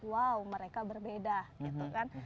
wow mereka berbeda gitu kan